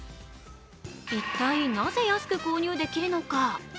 一体、なぜ安く購入できるのか？